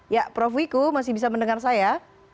ya prof wiku masih bisa mendengar saya